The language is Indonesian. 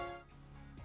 sna indonesia forward